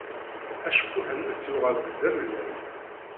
Acekkuḥ-nnes yuɣal-d d amellal.